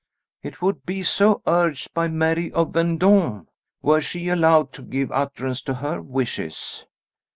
"It would be so urged by Mary of Vendôme, were she allowed to give utterance to her wishes."